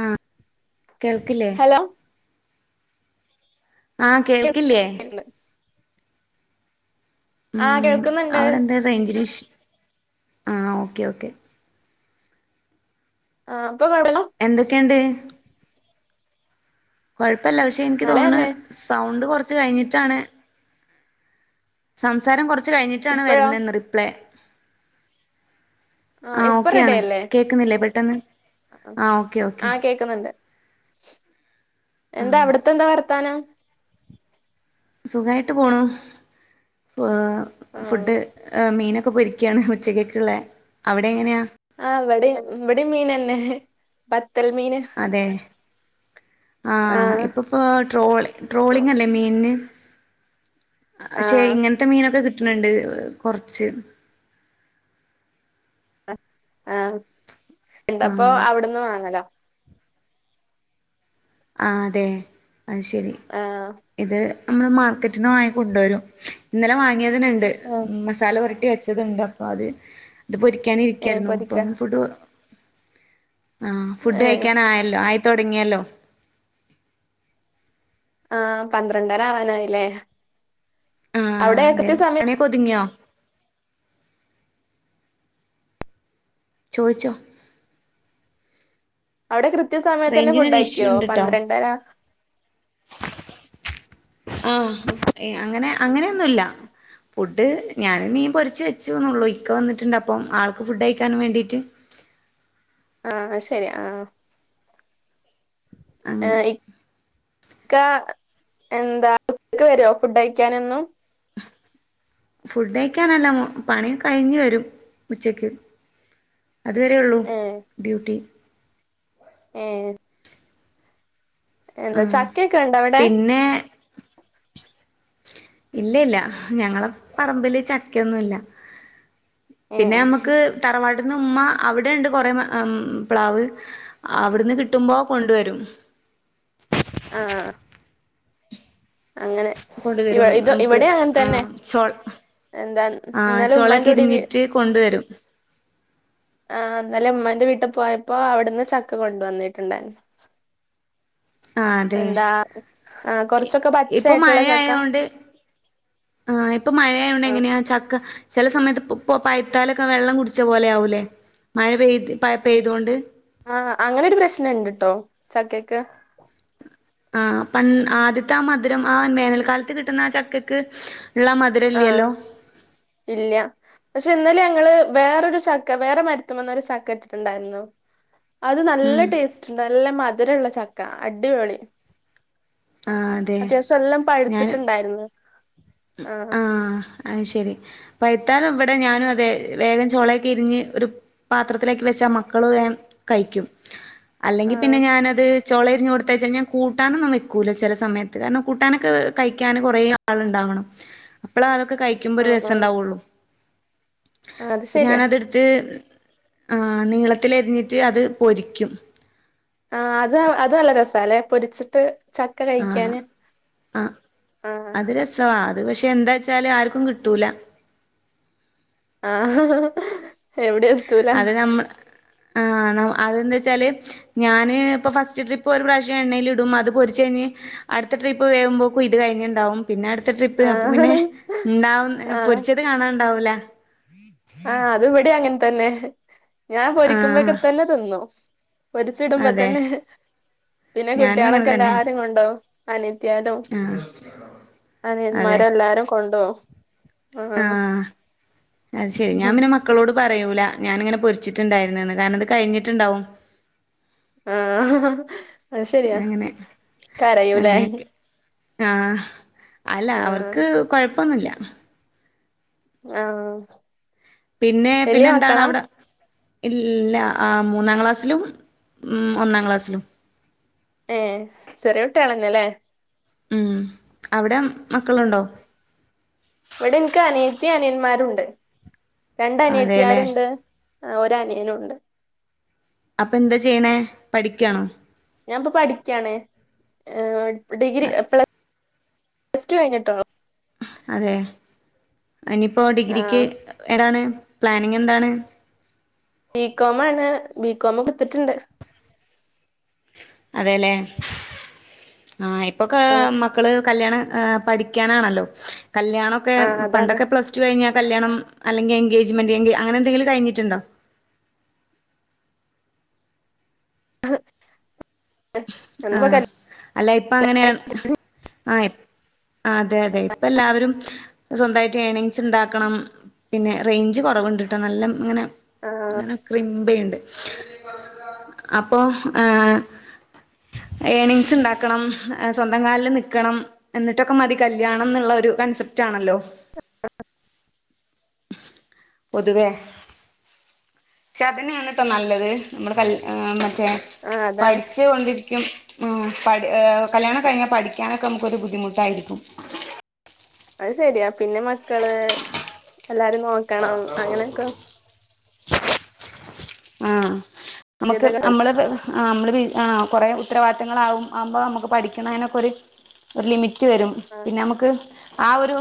ആഹ് കേൾക്കില്ലേ? ഹലോ ആഹ് കേൾക്കില്ലേ? ന്ന് ആഹ് കേൾക്ക്ന്ന്ണ്ട് റേഞ്ചിന്റെ ഇഷ്യൂ ആ ഓക്കെ ഓക്കെ ആഹ് ഇപ്പൊ കെയപ്പല്ലോ എന്തൊക്കെണ്ട് കൊഴപ്പല്ല പക്ഷേ എനിക്ക് തോന്നണ് നല്ലതന്നെ സൗണ്ട് കൊറച്ച് കഴിഞ്ഞിട്ടാണ് സംസാരം കുറച്ച് കഴിഞ്ഞിട്ടാണ് ഇപ്പഴോ വരുന്നെന്ന് റിപ്ലൈ ആ ഓക്കെയണ് കേൾക്കുന്നില്ലേ പെട്ടെന്ന് ആഹ് ഓക്കെ ഓക്കെ ആഹ് കേക്കുന്നുണ്ട് എന്താ അവിടുത്തെ എന്താ വർത്താനം സുഖായിട്ട് പോണു ആ ഫുഡ് മീനൊക്കെ പൊരി ക്കാണ് ഉച്ചകൾക്കുള്ളെ അവിടെ എങ്ങനെയാ ആ ഇവിടെ ഇവിടെ മീൻന്നെ ബത്തൽ മീന് അതെ ആ ഇപ്പപ്പ ട്രോ ട്രോളിങ് അല്ലേ മീന് ആ പക്ഷെ ഇങ്ങനത്തെ മീനൊക്കെ കിട്ടണണ്ട് കുറച്ച് ആഹ് എന്താപ്പോ ആഹ് അവിടുന്ന് വാങ്ങലോ ആ അതെ അയ് ശരി ആ ഇത് നമ്മള് മാർക്കറ്റിൽ നിന്ന് വാങ്ങിക്കണ്ട വരും ഇന്നലെ വാങ്ങിയതിനെ ഇണ്ട് ആ ഇമ്മ മസാല പുരട്ടി വെച്ചതുണ്ട് അപ്പൊ അത് ഇത് പൊരിക്കാന ഏ ഇരിക്കായിരുന്നു പൊരിക്ക ഇപ്പം ഫുഡ് ആഹ് ഫുഡ് ഏ കഴിക്കാൻ ആയല്ലോ ആയി തുടങ്ങിയല്ലോ ആഹ് പന്ത്രണ്ടര ആവാനായില്ലേ ആ അവിടെ അതെ കൃത്യ സമയം പണി ഒതുങ്ങിയോ ചോയ്ച്ചോ? അവ്ടെ കൃത്യ സമയത്ത് തന്നെ ഫുഡ് റേഞ്ചിനൊരു ഇഷ്യൂ കയിക്കിയോ ഉണ്ട്ട്ടോ പന്ത്രണ്ടര? ആഹ് ഏ അങ്ങനെ അങ്ങനെയൊന്നുല്ല. ഫുഡ് ഞാനും മീൻ പൊരിച്ച് വെച്ചു ന്നൊള്ളൂ. ഇക്ക വന്നിട്ടുണ്ട് അപ്പം ആൾക്ക് ഫുഡ് കയ്ക്കാൻ വേണ്ടിട്ട്. ആഹ് ആയ് ശരി ആഹ് അങ്ങനെ ഏഹ് ഇ ക്കാ എന്താ [unintelligible] ഫുഡ് കയ്ക്കാനൊന്നും. ഫുഡയ്ക്കാനല്ല മൊ പണി കഴിഞ്ഞ് വരും ഉച്ചക്ക്. അതുവരെേ ഒള്ളൂ ഏ ഡ്യൂട്ടി. ഏഹ്. എന്താ ചക്കയ്ക്കെ ഉണ്ടോ അവിടെ? പിന്നേ. ഇല്ല ഇല്ല ഞങ്ങളെ പടമ്പില് ചക്കയൊന്നുല്ല. ഏ പിന്നെ നമ്മുക്ക് തറവാട്ട്ന്ന് ഉമ്മ അവിടെണ്ട് കുറേ അം പ്ലാവ്. അവിടുന്ന് കിട്ടുമ്പോ കൊണ്ടുവരും ആഹ് ആഹ് അങ്ങനെ. ഇവ കൊണ്ടുവരും ഇത് നമുക്ക് ഇവിടെ അങ്ങനെ തന്നെ ആഹ് ചോ എന്താ ആഹ് ഇന്നലെ ഉമ്മാന്റെ ചോളെക്കെ കൂടി വീ ഇരിഞ്ഞിട്ട്. കൊണ്ടുവരും. ആഹ് ഇന്നലെ ഉമ്മാന്റെ വീട്ടി പോയപ്പോ അവിടുന്ന് ചക്ക കൊണ്ട് വന്നിട്ടുണ്ടായിന്നു. ആ അതെ എന്താ ആ കൊറച്ചൊക്കെ ഇപ്പൊ പച്ചായിട്ടുള്ള ചക്ക. ആഹ ഇപ്പൊ മഴായോണ്ട് ആ എങ്ങനെയാ ചക്ക. ചെല സമയത്ത് പൊ പൈയ്ത്താലൊക്കെ വെള്ളം കുടിച്ച പോലെ ആകൂലേ മഴ പെയ്ത് പ ഉം പെയ്തോണ്ട് ആ അങ്ങനെരു പ്രശ്നണ്ട് ട്ടോ ചക്കയ്ക്ക്. ആഹ് പൺ ആദ്യത്തെ ആ മധുരം ആ വേനൽക്കാലത്ത് കിട്ടുന്ന ആ ചക്കക്ക് ഉള്ള മധുരം. ആഹ് ഇല്ല്യ. പക്ഷെ ഇന്നലെ ഞങ്ങൾ വേറൊരു ചക്ക വേറെ മരത്തിമ്മന്നൊരു ചക്ക ഇട്ടിട്ടുണ്ടായിരുന്നു. അത് നല്ല ഉം ടേസ്റ്റ് ഉണ്ട് നല്ല മധുരള്ള ചക്ക അടിപൊളി. ആ അതെ അത്യാവശ്യം അല്ലാം ഞാൻ പഴുത്തിട്ടുണ്ടായിരുന്നു ആഹ്. ആ ശരി പഴുത്താലും വ്ടെ ഞാനു അതെ വേഗം ചൊളൊക്കെ ഇരിഞ്ഞ് ഒരു പാത്രത്തിലേക്ക് വെച്ചാ മക്കൾ വേം കഴിക്കും അല്ലെങ്കി പിന്നെ ആഹ് ഞാനത്. ചൊളരിഞ്ഞ് കൊടുത്തേച്ച് കഴിഞ്ഞാൽ കൂട്ടാനൊന്നും വെക്കൂല്ല ചില സമയത്ത് കാരണം കൂട്ടാനൊക്കെ കഴിക്കാന് കുറേ ആള് ഉണ്ടാവണം. അപ്പള അതൊക്കെ കഴിക്കുമ്പോ ഒരു ആഹ് രസം ആഹ് ണ്ടാവൊള്ളു അത് അപ്പൊ ശരിയാ ഞാനതെട്ത് ച്ച് ആഹ് നീളത്തിൽ അരിഞ്ഞിട്ട് അത് പൊരിക്കും. ആഹ് അത് അത് നല്ല രസാല്ലേ പൊരിച്ചിട്ട്. ചക്ക ആഹ് കഴിയ്ക്കാന് ആഹ്. ച്ചാ അത് പക്ഷേ എന്താച്ചാൽ ആർക്കും കിട്ടൂല്ല. ആഹ് ഹ് ഹ് അത് നമ്മ ആ അത് എന്താച്ചാല്. ഞാന് ഇപ്പോ ഫസ്റ്റ് ട്രിപ്പ് ഒരു പ്രാവശ്യം എണ്ണയിൽ ഇടും അത് പൊരിച്ച് കഴിഞ്. അടുത്ത ട്രിപ്പ് വേവുമ്പോയക്കും ഇത് കഴിഞ്ഞിണ്ടാവും. പിന്നെ അടുത്ത ട്രിപ്പ് അപ്പൊ ആഹ് പിന്നെ ഇണ്ടാവും എ ആഹ് പൊരിച്ചത് കാണാണ്ടാവൂല. ആഹ് അത് ഇവടി അങ്ങന തന്നെ. ഞാൻ ആഹ് പൊരിക്കുമ്പോകട തന്നെ തിന്നും പൊരിച്ചിടുമ്പോ അതെ തന്നെ. പിന്നെ ഞാനും അങ്ങനെ കുട്ട്യോളൊക്കെ തന്നെയാ എല്ലാരും കൊണ്ടോവും. അനിയത്തി തും ആഹ് അതെ അനിന്മാരും എല്ലാരും കൊണ്ടോവും. ആഹ് അഹ് അത് ശരി ഞാൻ പിന്നെ മ മക്കളോട് പറയൂല ഞാനിങ്ങനെ പൊരിച്ചിട്ടുണ്ടായിരുന്നൂന്ന് കാരണം അത് കഴിഞ്ഞിട്ടുണ്ടാവും. ആഹ് അത് ശരിയാ അങ്ങനെ കരയൂലേ. അങ്ങനെയൊക്കെ ആഹ് അല്ല ആഹ് അവർക്ക് കൊഴപ്പൊന്നുല്ല. ആഹ്. പിന്നെ പിന്നെ വലിയ എന്താണ് മക്കളാ അവിടെ. ഇല്ല ആഹ് മൂന്നാം ക്ലാസ്സിലും ഉം ഒന്നാം ക്ലാസ്സിലും. ഏ ചെറിയ കുട്ട്യേളഎന്നേല്ലേ. ഉം അവിടെ ആഹ് മക്കളുണ്ടോ. ഇവിടെ എനിക്ക് അനിയത്തി അനിയന്മാരുണ്ട് രണ്ട് അതെല്ലേ അനിയത്യരിണ്ട്. ആ ഒരു അനിയനുണ്ട്. അപ്പൊ എന്താ ചെയ്യണേ പഠിക്കാണോ. ഞാൻപ്പൊ പഠിക്കാണ് ഡിഗ്രി പ്ല സ് ടു കഴിഞ്ഞിട്ടൊള്ളു. അതെ ഇനിയിപ്പോ ഡിഗ്രിക്ക് ആഹ് ഏതാണ് പ്ലാനിങ് എന്താണ്. ബികോം ആണ് ബികോം എടുത്തിട്ടുണ്ട്. അതെല്ലേ ആഹ് ഇപ്പൊ കൊറച്ച് ആഹ്. മക്കൾ കല്യാണ് എ പഠിക്കാനാണല്ലോ കല്യാണൊക്കെ ആഹ് അതാണ് പണ്ടൊക്കെ പ്ല. പ്ലസ് ടു കഴിഞാൽ കല്യാണം അല്ലെങ്കി എഗേജ്മെന്റ് അങ്ങനെ എന്തങ്കിലും കഴിഞ്ഞിട്ടുണ്ടോ. അഹ്. ആഹ് അല്ല ഇപ്പ അങ്ങനെ ആഹ. അതെ അതെ ഇപ്പ എല്ലാവരും. സ്വന്തായിട്ട് ഏർണിങ്സ്ണ്ടാക്കണം പിന്നെ റേഞ്ച് കൊറവിണ്ട്ട്ടോ നല്ല ഇങ്ങനെ. ആഹ് ഇങ്ങനെ ക്രിമ്പയിണ്ട് അപ്പൊ ഏഹ് ഏണിങ്സ് ഇണ്ടാക്കണം സ്വന്തം കാലിൽ നിൽക്കണം എന്നിട്ടൊക്കെ മതി കല്യാണംന്നുള്ള ഒരു കൺസെപ്റ്റ് ആണല്ലോ [unintelligible] പൊതുവേ പക്ഷേതനെയാണ് ട്ടോ നല്ലത് നമ്മുടെ കല് മറ്റേ ആഹ് പ അതാണ് കൊണ്ടിരിക്കും ഉം കല്യാണം കഴിഞ്ഞാൽ പഠിക്കാനൊക്കെ നമുക്കൊരു ബുദ്ധിമുട്ടായിരിക്കും അത് ശരിയാ പിന്നെ മക്കള് എല്ലാരും നോക്കണം അങ്ങനെയൊക്കെ ആഹ് പ്പൊ നമുക്ക് ബാധ്യതകൾ നമ്മളെ ആ നമ്മള് ആ കൊറെ ഉത്തരവാദിത്തങ്ങള് ആവും ആവുമ്പോ നമുക്ക് പഠിക്കണെനൊക്കൊരു ഒരു ലിമിറ്റ് വരും ആഹ് പിന്നെ നമുക്ക് ആ ഒരു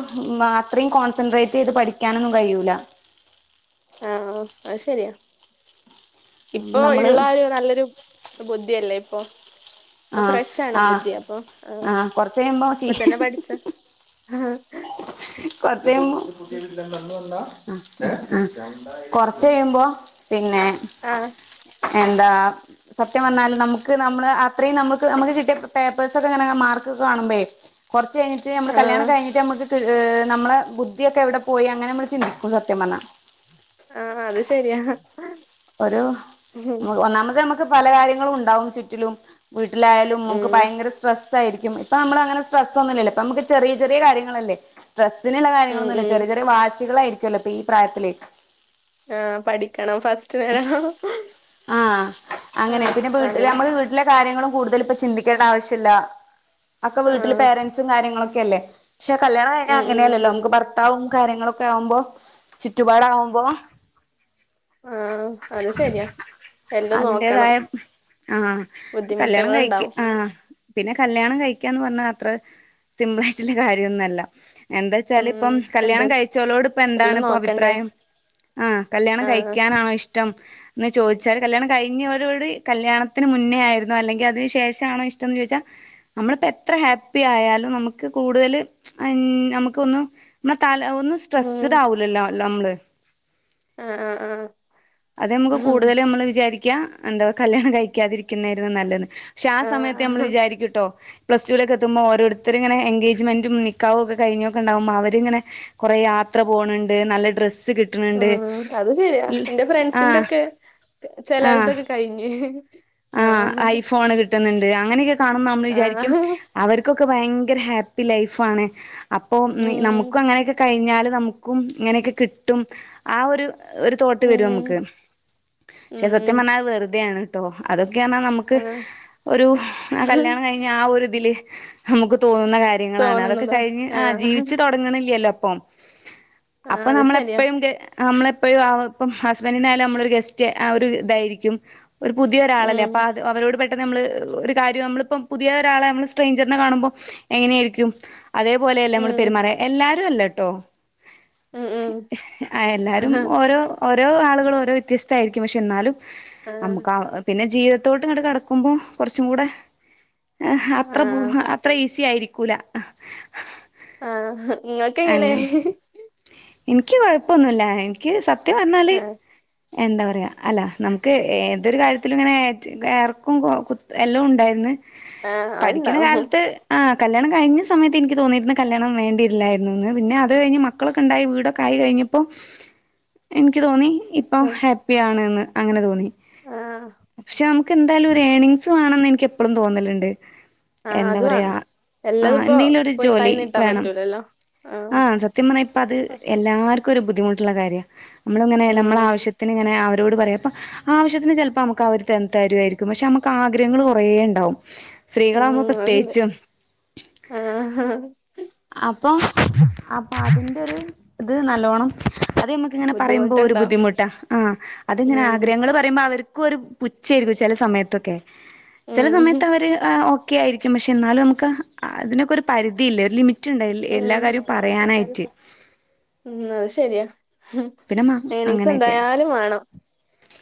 അത്രയും കോൺസെൻട്രേറ്റ് ചെയ്ത് പഠിക്കാനൊന്നും കയൂല ആഹ് അത് ശരിയാ നമ്മള് ഇപ്പൊള്ള ഒരു നല്ലൊരു ബുദ്ധിയല്ലേ ഇപ്പൊ ഇപ്പൊ ആഹ് ഫ്രഷാണ് ആഹ് ബുദ്ധി അപ്പൊ ആ ആഹ് കൊറച്ച് കഴിയുമ്പോ ഇപ്പൊ തന്നെ പഠിച്ച ആഹ് കൊറച്യമ്പോ കൊറച്ചഴിയുമ്പോ പിന്നെ ആഹ് എന്താ സത്യംപറഞ്ഞാല് നമുക്ക് നമ്മള് അത്രയും നമുക്ക് നമുക്ക് കിട്ടിയ പേപെഴ്സൊക്കെങ്ങനെ മാർക്കൊക്കെ കാണുമ്പഴേ കൊറച്ച്ഴിഞ്ഞട്ട് ആഹ് നമ്മള് കല്യാണം കഴിഞ്ഞിട്ട് നമുക്ക് നമ്മളളെ ബുദ്ധിയൊക്കെ എവിടെ പോയി അങ്ങനെ അമ്മൾ ചിന്തിക്കും സത്യം പറഞ്ഞ ആഹ് അത് ശെരിയാ ഒരു ഒന്നാമത് നമുക്ക് പല കാര്യങ്ങളും ഉണ്ടാവും ചുറ്റിലും വീട്ടിലായാലും നമുക്ക് ഉം ഭയങ്കര സ്ട്രെ സായിരിക്കും ഇപ്പ അമ്മൾഅങ്ങന സ്ട്രസൊന്നുല്ലലോ ഇപ്പ നമുക്ക് ചെറിയ ചെറിയ കാര്യങ്ങളല്ലേ സ്ട്രെസിനുള്ള ഉം കാര്യങ്ങളൊന്നുല്ല ഉം ചെറിയ ചെറിയ വാശികളായിരിക്കല്ലോ ഇപ്പ ഈ പ്രായത്തിലേ ആഹ് പഠിക്കണം ഫസ്റ്റ് നേടണം ആഹ് അങ്ങനെ ആഹ് പിന്നെ വീട്ട അങ്ങനെ നമ്മള് വട്ടിലെ കര്യങ്ങളും കൂടുതൽപ്പൊ ചിന്തിക്കേണ്ട ആവശ്യല ആക്കോ വീട്ടിലെ ആഹ് പേരെന്റ സും കാര്യങ്ങളൊക്കെല്ലേ പക്ഷെ കല്യാണംകയിഞ്ഞ ഉം ഉം അങ്ങനെയലല്ലോ നമുക്ക് ഭ ത്താവും കാര്യങ്ങളൊക്കെ ആവുമ്പോ ചുറ്റുപാടാവുമ്പ ആഹ് അത് ശരിയാ എല്ലാം നോക്കണം അതിന്റതായ ആഹ് കല്യാണം ബുദ്ധിമുട്ടുകൾ കയിക്ക് ഉണ്ടാവും ആഹ് പിന്നെ കല്ല്യാണം കഴിക്കാന്ന് പറഞ്ഞാ അത്ര സിമ്പിളായിട്ട്ള് കാര്യന്നല്ല എന്തച്ചാൽപ്പം ഉം എന്ത് കല്യാണംകഴിചോലോട്പ്പം എല്ലാം എന്താണ്പ്പൊ നോക്കണ്ടേ അഭിപ്രായം ആ കല്യാണം ആഹ് കഴിക്കാനാണോ ഇഷ്ടം എന്ന് ചോദി അച്ചാ കല്യാണം കഴിഞ്ഞലോഡ് കല്യാണത്തിന് മുന്നേ ആയിരുന്നോ അല്ലെങ്കി അതിനു ശേഷ ആണോ ഇഷ്ടംന്ന ചോച്ചാൽ. നമ്മളിപ്പോ എത്ര ഹാപ്പി ആയാലും നമുക്ക് കൂടുതല് അ ന് നമക്കന്ന് ന തലഒന്ന് ഉം സ്ട്രസ്ട് ആവൂല്ലലോ ലമ്ള് ആഹ് ആഹ് അതമ്മക്ക് കൂ ആഹ് നമ്മൾവിചാരിക്ക എന്തകല്യാണം കഴിക്കാതിരിക്കുന്നായിരുന്നുനല്ലത്. ക്ഷെ ആസമയത്ത്മ്മൾ ആഹ് വിചാരിക്കുട്ടോ പ്ലസ്റ്റൂലകത്തുമ്പോ ഓരുത്തര്ങ്ങന എൻഗജ്മെന്റും നിക്കാഹ് ഒക്കെ ഴിഞ്ഞൊക്കെ ണ്ടാവുമ്പോ ക്കണ്ടാവുമ്പോഅവരിങ്ങനേ കുറെ യാത്രപോണ് ണ്ട് നല്ലഡ്രസ്സ് കി ഉം അത് ശരിയാ എന്റെ ആഹ് ഫ്രണ്ട്സിന്റെൊക്കെ ആഹ് ചിലരുതൊക്കെ കഴിഞ്ഞ് ആഹ് ഐഫോണ് കിട്ട്ന്ന്ണ്ട്. അങ്ങനെക്കെ കാണ്ന്നമ്മള് വിചാരിക്യും ആഹ് അവർക്കൊക്കെ ഭയങ്കര ഹാപ്പി ലൈഫാണ്. അപ്പോ ഉം മ് നമുക്കും അങ്ങനെക്കെ കഴിഞ്ഞാല് നമു ക്കും ഇങ്ങനെക്കെ കിട്ടും. ആ ഒരു ഒരു തോട്ട് വരും ഉം അമ്മക്ക്. ക്ഷെ സത്യം ഉം പറഞ്ഞാ അഹ് വെറുതെയാണ് ട്ടോ. അതൊക്കെന്നാ നമ്മക്ക് ആഹ് ഒരു അ കല്യാണം കഴിഞ്ഞആ ഒരിതിൽ നമ്മക്ക് തോന്നുന്ന കാര്യ ര്യങ്ങളാണ്. അതൊക്കെകഴിഞ് ആഹ് ജീവിച്ച് തൊടങ്ങ്ണ്ല്യല്ലോ പ്പം ആഹ് അപ്പൊ അത് നമ്മള് ശരിയാ എപ്പഴും ഗേ അ നമ്മളെപ്പോഴുംഅവ പ്പം ഹസ്ബൻഡിനായാലും നമ്മളൊരു ഗസ്റ്റ് ആഹ് ഒരു തായിരിക്യും. പുതിയൊരാളല്ലേ ഉം അപ്പ ആഹ് ത് അവരോട് പെ പെട്ടന്ന് നമ്മള് ഒരു കാര്യം നമ്മളിപ്പം പുതിയ രാളെ നമ്മള് സ്ട്രെഞ്ചറിനെ കാണുമ്പോ എങ്ങനെയിരിക്യും. അതേപോലെയല്ലേ നമ്മള് ഉം പെരുമാറ. എല്ലാവാരും അല്ലട്ടോ. ഉം ഉം ഹ് ഹ് ആഹ് എല്ലാരും ഓരോ ഓരോ ആളുകളും ഓരോ വ്യത്യസ്തായിരിക്യും. പക്ഷെ എന്നാലും. ആഹ് ഹ് പിന്നെ ജീവിതത്തോട്ടുങ്ങട്ട് കടക്കുമ്പോ കൊറച്ചും കൂടെ ഹ് ഹ അത്ര പു ആഹ് അ ത്ര ഈസി ആയിരിക്കൂല. ഹ് ഹ ആഹ് ഇങ്ങൾക്കെങ്ങനെ? ഇൻക്കി കൊഴപ്പൊന്നുല്ല. ഇൻക്കി സത്യം പർഞ്ഞാല് ആഹ് എന്താപറയാ അല്ല നമുക്ക് ഏതൊരു കാര്യത്തിലും ങ്ങനെ ഏ ക് റ്റ് എർക്കും കൊ കു ത് എല്ലുണ്ടായിര്ന്ന്. ആഹ് പഠിക്യണ അത്ണ്ടാവും കാൽത്ത്. ആഹ് കല്യാണം കഴിഞ്ഞ സമയത്ത് ഇന്ക്കി തോന്നിര്ന്ന് കല്യാണം വേണ്ടില്ലായിരുന്നുന്ന്. പിന്നെ അത് കഴിഞ്ഞ് മ ക്കളൊക്കെ ണ്ടായി വീടൊക്കായി കഴിഞ്ഞപ്പോ എനിക്ക് തോന്നി ഇപ്പൊ ഹാപ്പിയാണ്ന്ന്. അങ്ങനതോന്നി. ആഹ് ക്ഷെ നമുക്ക് എന്തായാലും ഒരു ഏണിങ്സ് വേണന്ന് എനിക്ക് എപ്പളും തോന്നലുണ്ട്. ആഹ് അത് എന്തപറയാ വേണം ആഹ് എല്ലതുപ്പോ എന്തെങ്കിലൊരു പോയി കൈ ജോലി നീട്ടാൻ വേണം പറ്റൂലല്ലോ ആഹ് സ ത്യംപറഞ്ഞാ പ്പത് എല്ലാർക്കൊരു ബുദ്ധിമുട്ടുള്ള കാര്യ. മ്മളിങ്ങനെ ല്ല നമ്മള ഉം ആശ്യത്തിന്ങ്ങനെ അവരോട് പറയ. പ്പ അവശ്യത്തിന് ചിലപ്പമ്മക്ക് അവര് തൻ തരുവായിരിക്കും. ക് പക്ഷേ മ്മക്ക് ആഗ്രഹങ്ങൾ ഉം കൊറേ ണ്ടാവും. ഉം സ്ത്രീകളാവുമ്പോ അത്ണ്ട് പ്രത്യേകിച്ചും. ആഹ് അപ്പൊ അതിന്റെരു ത് നല്ലോണം അതമ്മക്ക് ങ്ങനെ പറയുമ്പോ ഒരു ബുദ്ധിമുട്ടുണ്ടോ ബുദ്ധിമുട്ടാ. ആഹ് അത്ങ്ങനെ ഉം ആഗ്രഹങ്ങൾ പറയുമ്പോ അവര് ക്കൊരു പുഛായിരിക്കും. ചെല സമയത്തൊക്കെ. ചില ഉം സമയത്ത് അവര് ഏ ഒ ക്കെയിരിക്യും. പക്ഷെ എന്നാലും നമുക്ക് അതിനൊക്കെ ഒരു പരിധിയില്ലേ. ഒരു ലിമിറ്റ് ണ്ടാ എല്ലാ ഉം കാര്യും പറയാനായി ഉം അഹ് ശരിയാ ഉം പിന്നെ മ ഏണിംസ് അങ്ങനെയൊക്കെ എന്തായാലും വാണം.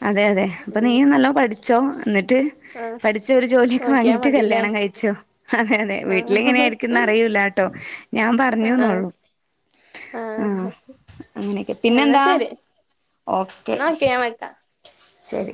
അതെ അതെ. അപ്പ നീയും നല്ലോ പഠിച്ചോ ന്നട്ട് ആഹ് പഠിച്ച് ഒരു ജോലിയൊക്കെ നോക്കിയാ വാങ്ങിട്ട് മതില്ലേ കല്യണം കഴിച്ചോ. അതെ അതെ ആഹ് വീട്ടിലെങ്ങനെയിരിക്കുംന്ന് അറിയൂലാട്ടോ. ഞാൻ ആഹ് പറഞ്ഞൂന്നൊള്ളു. ആഹ് അങ്ങനെക്കെ. എന്നാ പിന്നെന്താ. ശരി ഓക്കെ. എന്നാ ഞാൻ വെക്കാ ശരി